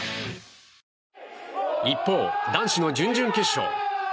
一方、男子の準々決勝。